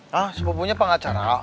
hah sepupunya pengacara